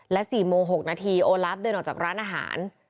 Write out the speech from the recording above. และ๔โมง๖นาทีโอลาฟเดินออกจากร้านอาหาร